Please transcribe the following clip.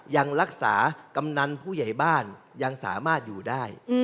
ยังรักษากำนันผู้ใหญ่บ้านยังสามารถอยู่ได้